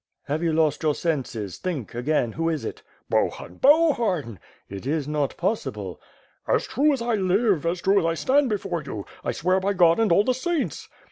"Have you lost your senses? Think, again, who is it?" "Bohun! Bohun!" "It is not possible." "As true as I live! As true as I stand before you! I swear by God and all the saints!"